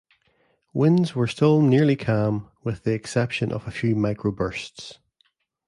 Winds were still nearly calm, with the exception of a few microbursts.